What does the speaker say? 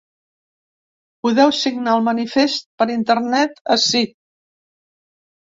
Podeu signar el manifest per internet ací.